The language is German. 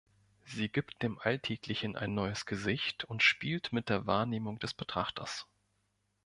Sie gibt dem Alltäglichen ein neues Gesicht und spielt mit der Wahrnehmung des Betrachters.